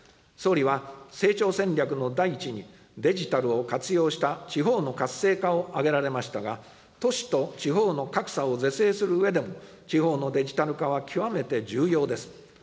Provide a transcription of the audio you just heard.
総理は、成長戦略の第一にデジタルを活用した地方の活性化を挙げられましたが、都市と地方の格差を是正するうえでも、地方のデジタル化は極めて重要です。